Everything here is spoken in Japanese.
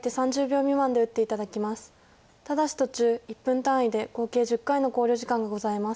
ただし途中１分単位で合計１０回の考慮時間がございます。